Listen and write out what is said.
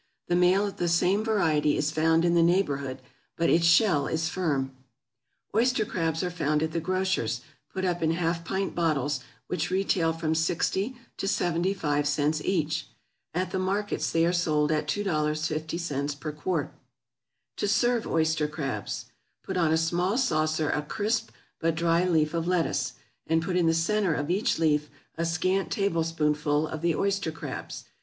The male of the same variety is found in the neighborhood, but its shell is firm. Oyster crabs are found at the grocer's, put up in half pint bottles, which retail from 60 to 75 cents each. At the markets they are sold at $2.50 per quart. =To Serve Oyster Crabs.= Put on a small saucer a crisp but dry leaf of lettuce, and put in the centre of each leaf a scant tablespoonful of the oyster crabs.